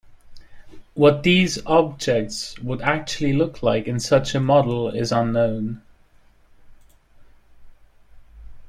What these objects would actually look like in such a model is unknown.